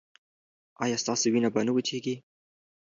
ایا ستاسو وینه به نه وچیږي؟